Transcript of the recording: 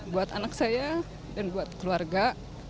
buat anak saya dan buat keluarga